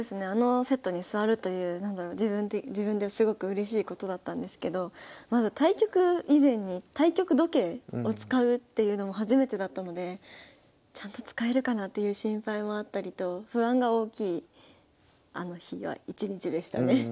あのセットに座るという何だろう自分ですごくうれしいことだったんですけどまず対局以前に対局時計を使うっていうのも初めてだったのでちゃんと使えるかなっていう心配もあったりと不安が大きいあの日は一日でしたね。